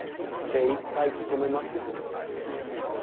精いっぱい務めまする。